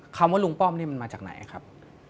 คำว่าลุงป้อมนี่มันมาจากไหนครับ